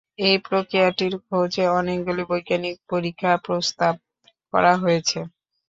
এই প্রক্রিয়াটির খোঁজে অনেকগুলি বৈজ্ঞানিক পরীক্ষা প্রস্তাব করা হয়েছে।